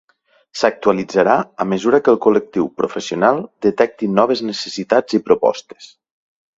S'actualitzarà a mesura que el col·lectiu professional detecti noves necessitats i propostes.